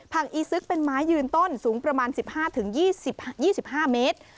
อีซึกเป็นไม้ยืนต้นสูงประมาณ๑๕๒๕เมตร